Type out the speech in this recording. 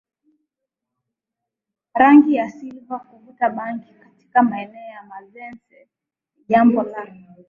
rangi ya silva kuvuta bangi katika maeneo ya Manzese ni jambo la